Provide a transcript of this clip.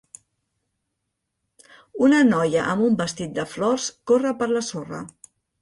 Una noia amb un vestit de flors corre per la sorra.